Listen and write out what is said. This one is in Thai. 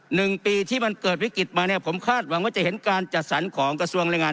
หนึ่งปีที่มันเกิดวิกฤตมาเนี่ยผมคาดหวังว่าจะเห็นการจัดสรรของกระทรวงแรงงาน